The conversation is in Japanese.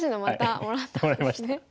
もらいました。